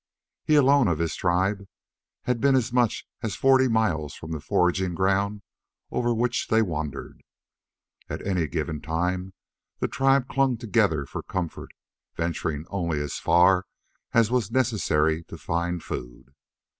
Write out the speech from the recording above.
He, alone of his tribe, had been as much as forty miles from the foraging ground over which they wandered. At any given time the tribe clung together for comfort, venturing only as far as was necessary to find food.